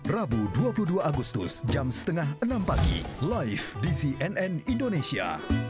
rabu dua puluh dua agustus jam setengah enam pagi live di cnn indonesia